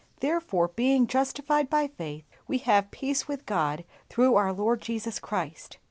"Therefore being justified by faith we have peace with God through our Lord Jesus Christ."